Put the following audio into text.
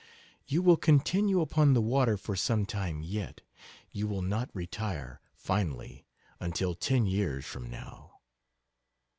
You will continue upon the water for some time yet; you will not retire finally until ten years from now....